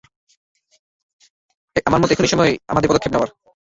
আমার মতে, এখনই সময় আমাদের পদক্ষেপ নেওয়ার।